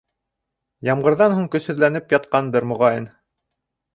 Ямғырҙан һуң көсһөҙләнеп ятҡандыр, моғайын.